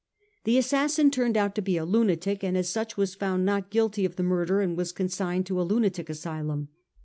The assassin turned out to be a lunatic, and as such was found not guilty of the murder, and was consigned to a lunatic asy lum.